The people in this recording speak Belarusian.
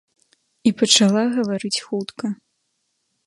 І пачала гаварыць хутка.